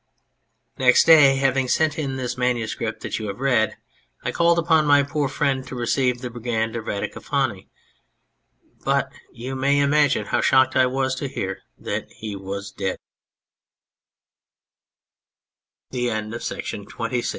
Next day, having sent in this manuscript that you have read, I called upon my poor friend to receive the Brigand of Radicofani ; but you may imagine how shocked I was to hear that he was